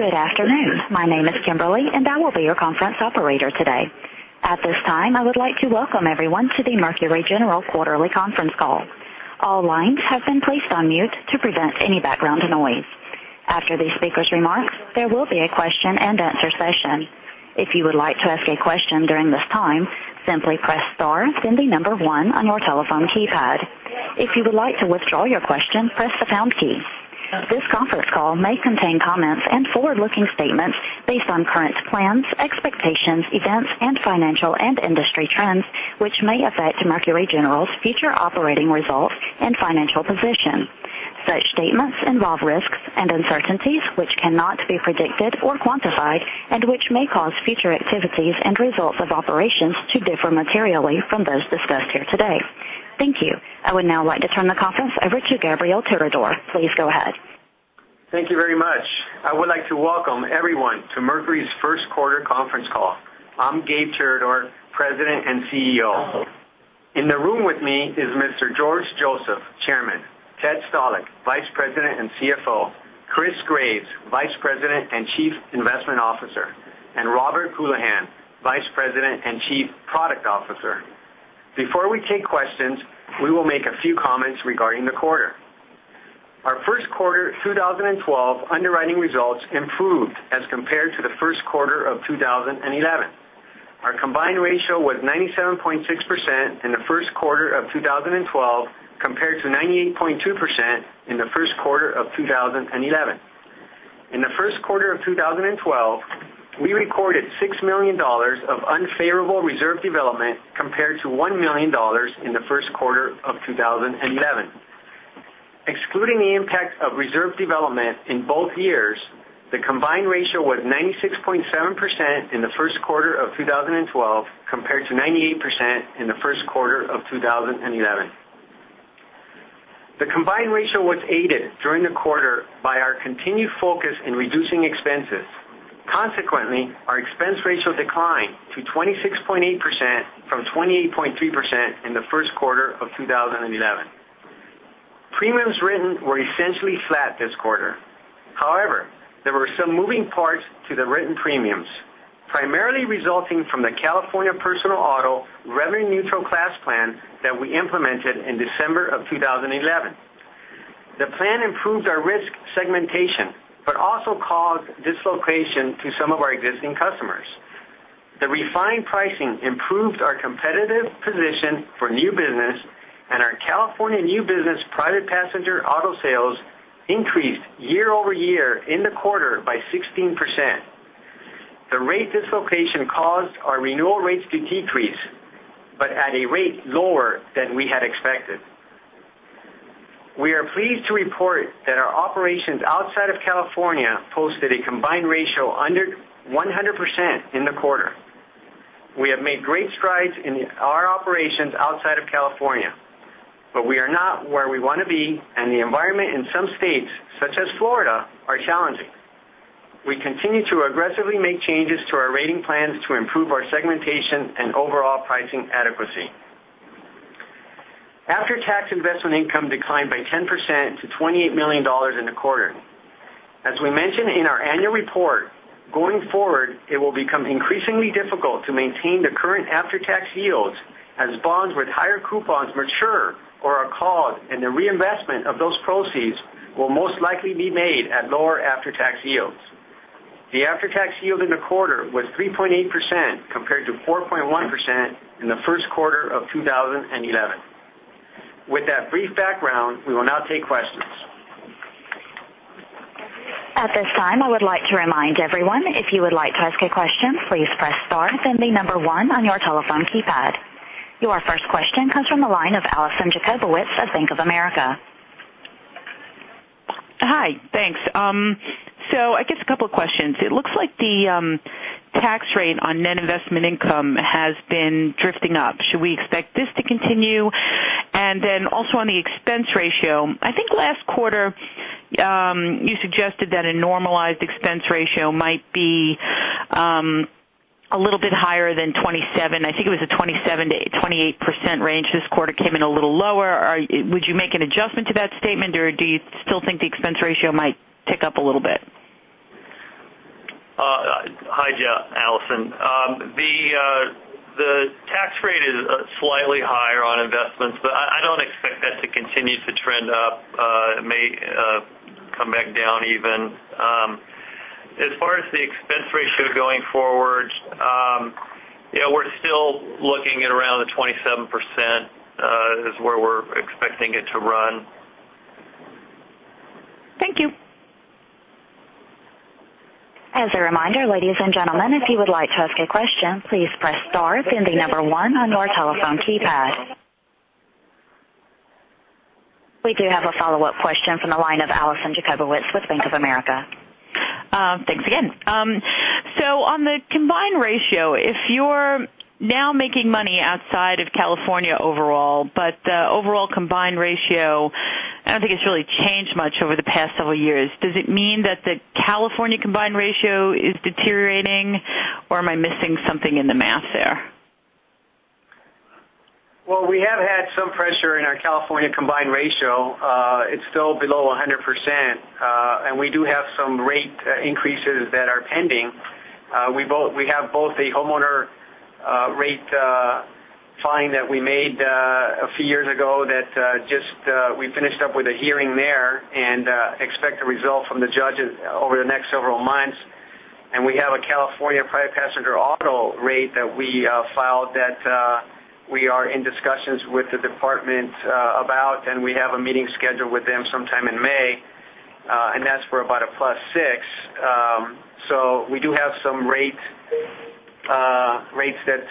Good afternoon. My name is Kimberly, I will be your conference operator today. At this time, I would like to welcome everyone to the Mercury General quarterly conference call. All lines have been placed on mute to prevent any background noise. After the speakers' remarks, there will be a question-and-answer session. If you would like to ask a question during this time, simply press star, then 1 on your telephone keypad. If you would like to withdraw your question, press the pound key. This conference call may contain comments and forward-looking statements based on current plans, expectations, events, and financial and industry trends, which may affect Mercury General's future operating results and financial position. Such statements involve risks and uncertainties which cannot be predicted or quantified and which may cause future activities and results of operations to differ materially from those discussed here today. Thank you. I would now like to turn the conference over to Gabriel Tirador. Please go ahead. Thank you very much. I would like to welcome everyone to Mercury's first quarter conference call. I'm Gabe Tirador, President and CEO. In the room with me is Mr. George Joseph, Chairman, Ted Stalick, Vice President and CFO, Chris Graves, Vice President and Chief Investment Officer, and Robert Houlihan, Vice President and Chief Product Officer. Before we take questions, we will make a few comments regarding the quarter. Our Q1 2012 underwriting results improved as compared to Q1 2011. Our combined ratio was 97.6% in Q1 2012, compared to 98.2% in Q1 2011. In Q1 2012, we recorded $6 million of unfavorable reserve development, compared to $1 million in Q1 2011. Excluding the impact of reserve development in both years, the combined ratio was 96.7% in Q1 2012, compared to 98% in Q1 2011. The combined ratio was aided during the quarter by our continued focus in reducing expenses. Consequently, our expense ratio declined to 26.8% from 28.3% in Q1 2011. Premiums written were essentially flat this quarter. There were some moving parts to the written premiums, primarily resulting from the California personal auto revenue-neutral class plan that we implemented in December 2011. The plan improved our risk segmentation also caused dislocation to some of our existing customers. The refined pricing improved our competitive position for new business, our California new business private passenger auto sales increased year-over-year in the quarter by 16%. The rate dislocation caused our renewal rates to decrease, but at a rate lower than we had expected. We are pleased to report that our operations outside of California posted a combined ratio under 100% in the quarter. We have made great strides in our operations outside of California. We are not where we want to be, and the environment in some states, such as Florida, are challenging. We continue to aggressively make changes to our rating plans to improve our segmentation and overall pricing adequacy. After-tax investment income declined by 10% to $28 million in the quarter. As we mentioned in our annual report, going forward, it will become increasingly difficult to maintain the current after-tax yields as bonds with higher coupons mature or are called, and the reinvestment of those proceeds will most likely be made at lower after-tax yields. The after-tax yield in the quarter was 3.8%, compared to 4.1% in the first quarter of 2011. With that brief background, we will now take questions. At this time, I would like to remind everyone, if you would like to ask a question, please press star, then the number one on your telephone keypad. Your first question comes from the line of Alison Jacobowitz of Bank of America. Hi. Thanks. I guess a couple of questions. It looks like the tax rate on net investment income has been drifting up. Should we expect this to continue? Also on the expense ratio, I think last quarter, you suggested that a normalized expense ratio might be a little bit higher than 27. I think it was a 27%-28% range. This quarter came in a little lower. Would you make an adjustment to that statement, or do you still think the expense ratio might tick up a little bit? Hi, Alison. I don't expect that to continue to trend up. It may come back down even. As far as the expense ratio going forward, we're still looking at around the 27%. It's where we're expecting it to run. Thank you. As a reminder, ladies and gentlemen, if you would like to ask a question, please press star, then 1 on your telephone keypad. We do have a follow-up question from the line of Jay Cohen with Bank of America. Thanks again. On the combined ratio, if you're now making money outside of California overall, the overall combined ratio, I don't think it's really changed much over the past several years. Does it mean that the California combined ratio is deteriorating, or am I missing something in the math there? Well, we have had some pressure in our California combined ratio. It's still below 100%. We do have some rate increases that are pending. We have both a homeowner rate filing that we made a few years ago that we finished up with a hearing there, and expect a result from the judge over the next several months. We have a California private passenger auto rate that we filed that we are in discussions with the department about, and we have a meeting scheduled with them sometime in May. That's for about a +6%. We do have some rates that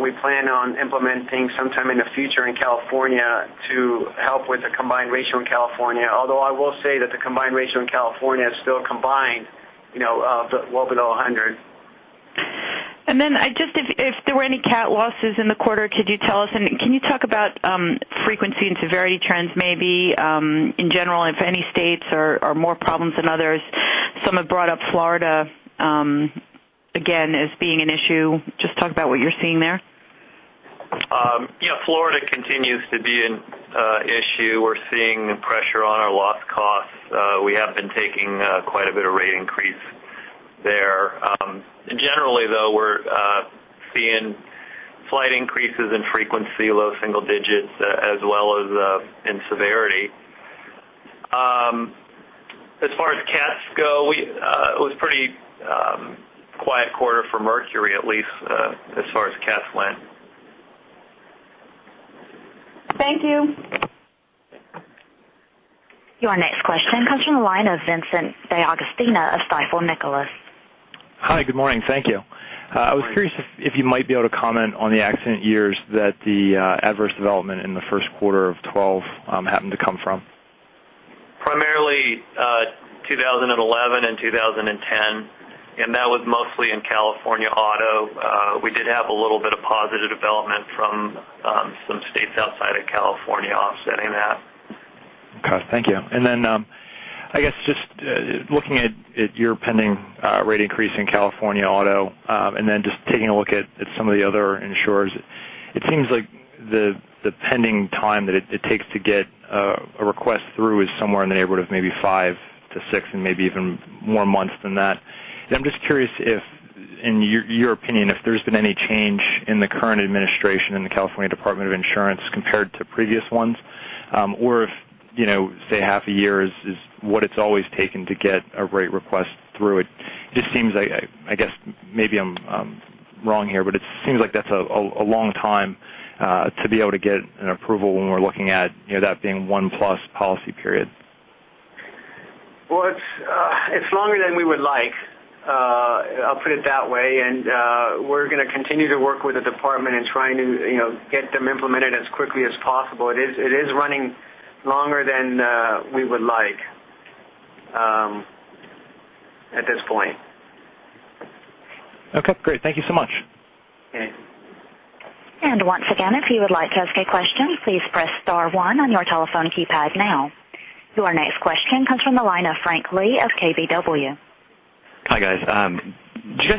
we plan on implementing sometime in the future in California to help with the combined ratio in California. Although I will say that the combined ratio in California is still combined well below 100%. Just if there were any cat losses in the quarter, could you tell us? Can you talk about frequency and severity trends maybe in general, if any states are more problems than others? Some have brought up Florida again as being an issue. Just talk about what you're seeing there. Yeah. Florida continues to be an issue. We're seeing pressure on our loss costs. We have been taking quite a bit of rate increase there. Generally, though, we're seeing slight increases in frequency, low single digits, as well as in severity. As far as cats go, it was pretty quiet quarter for Mercury at least as far as cats went. Thank you. Your next question comes from the line of Vincent DeAugustino of Stifel Nicolaus. Hi, good morning. Thank you. Good morning. I was curious if you might be able to comment on the accident years that the adverse development in the first quarter of 2012 happened to come from. Primarily, 2011 and 2010, That was mostly in California auto. We did have a little bit of positive development from some states outside of California offsetting that. Okay. Thank you. I guess just looking at your pending rate increase in California auto, then just taking a look at some of the other insurers, it seems like the pending time that it takes to get a request through is somewhere in the neighborhood of maybe five to six and maybe even more months than that. I'm just curious if, in your opinion, if there's been any change in the current administration in the California Department of Insurance compared to previous ones. If, say half a year is what it's always taken to get a rate request through. It seems, I guess maybe I'm wrong here, but it seems like that's a long time to be able to get an approval when we're looking at that being one-plus policy period. Well, it's longer than we would like. I'll put it that way. We're going to continue to work with the department in trying to get them implemented as quickly as possible. It is running longer than we would like at this point. Okay, great. Thank you so much. Okay. once again, if you would like to ask a question, please press star one on your telephone keypad now. Your next question comes from the line of Meyer Shields of KBW. Hi, guys. Did you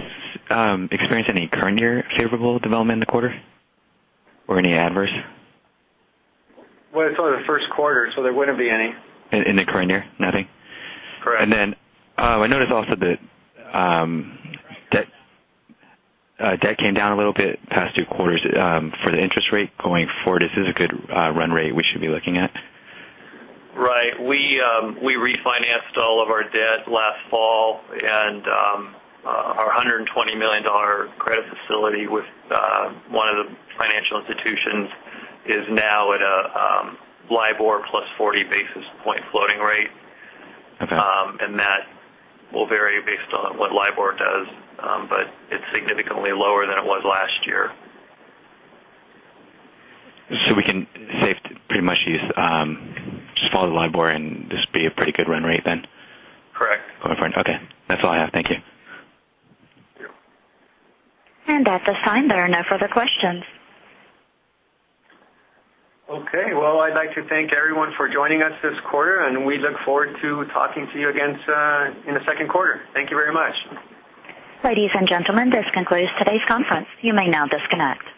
guys experience any current year favorable development in the quarter or any adverse? Well, it's only the first quarter, so there wouldn't be any. In the current year, nothing? Correct. I noticed also that debt came down a little bit past two quarters for the interest rate going forward. Is this a good run rate we should be looking at? Right. We refinanced all of our debt last fall, and our $120 million credit facility with one of the financial institutions is now at a LIBOR plus 40 basis point floating rate. Okay. That will vary based on what LIBOR does. It's significantly lower than it was last year. We can say pretty much just follow the LIBOR and just be a pretty good run rate then? Correct. Okay. That's all I have. Thank you. At this time, there are no further questions. Okay. Well, I'd like to thank everyone for joining us this quarter, and we look forward to talking to you again in the second quarter. Thank you very much. Ladies and gentlemen, this concludes today's conference. You may now disconnect.